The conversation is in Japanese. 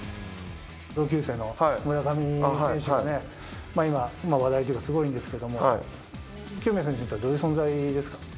同級生の村上選手がね、今、話題というか、すごいんですけれども、清宮選手にとってはどういう存在ですか？